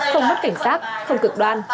không mất cảnh sát không cực đoan